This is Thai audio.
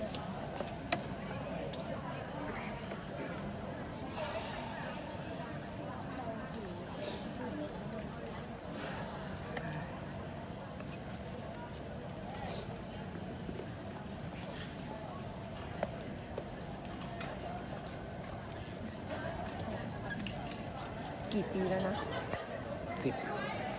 ขอบคุณค่ะพี่บอยขออินเสิร์ทนิดนึงไหวไหม